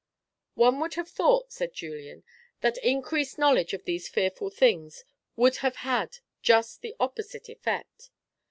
"One would have thought," said Julian, "that increased knowledge of these fearful things would have had just the opposite effect."